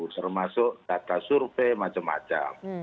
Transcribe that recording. termasuk data survei macam macam